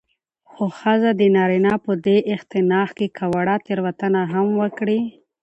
خو ښځه د نارينه په دې اختناق کې که وړه تېروتنه هم وکړي